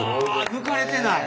抜かれてない？